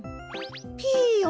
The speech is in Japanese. ピーヨン